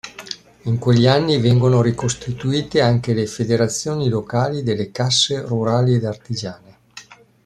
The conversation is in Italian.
In quegli anni vengono ricostituite anche le federazioni locali delle casse rurali ed artigiane.